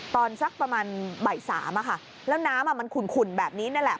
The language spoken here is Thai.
สักประมาณบ่ายสามอะค่ะแล้วน้ำมันขุ่นแบบนี้นั่นแหละ